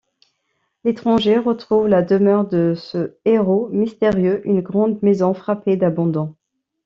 L’étranger retrouve la demeure de ce héros mystérieux, une grande maison frappée d’abandon.